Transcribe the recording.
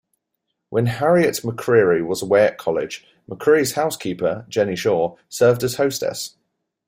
When Harriet McCreary was away at college, McCreary's housekeeper, Jennie Shaw, served as hostess.